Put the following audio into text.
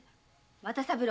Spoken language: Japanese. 又三郎